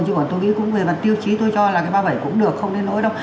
chứ còn tôi nghĩ cũng về mặt tiêu chí tôi cho là cái ba mươi bảy cũng được không nên nói đâu